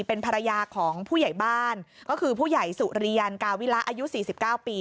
เป็นภรรยาของผู้ใหญ่บ้านก็คือผู้ใหญ่สุเรียนกาวิระอายุ๔๙ปี